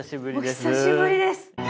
お久しぶりです。